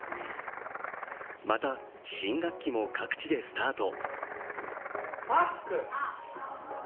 また、新学期も各地でスタート。